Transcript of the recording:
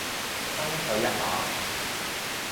爭取一下